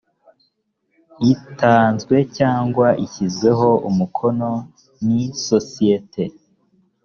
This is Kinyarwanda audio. itanzwe cyangwa ishyizweho umukono n isosiyete